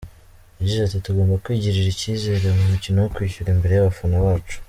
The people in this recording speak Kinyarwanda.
Yagize ati “Tugomba kwigirira icyizere mu mukino wo kwishyura imbere y’abafana bacu.